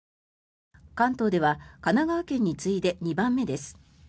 関東では神奈川県に次いで２番目です。